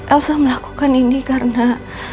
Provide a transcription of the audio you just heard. elsa melakukan ini karena